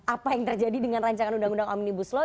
apa yang terjadi dengan rancangan undang undang omnibus law